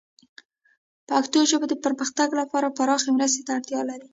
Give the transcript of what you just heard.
پښتو ژبه د پرمختګ لپاره پراخې مرستې ته اړتیا لري.